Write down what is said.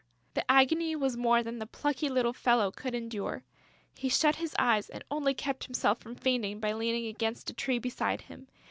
The agony was more than the plucky little fellow could endure. He shut his eyes and only kept himself from fainting by leaning against a tree beside him.